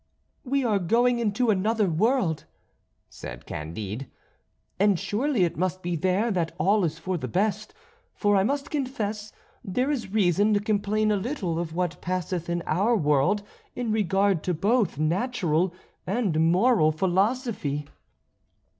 "We are going into another world," said Candide; "and surely it must be there that all is for the best. For I must confess there is reason to complain a little of what passeth in our world in regard to both natural and moral philosophy."